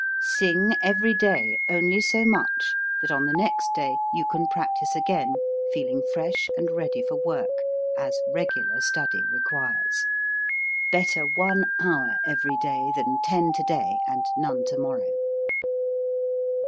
Sing every day only so much, that on the next day you can practise again, feeling fresh and ready for work, as regular study requires. Better one hour every day than ten to day and none to morrow.